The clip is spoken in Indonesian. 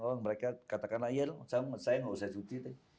oh mereka katakanlah ya saya nggak usah cuti